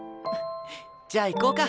じゃあ行こうか。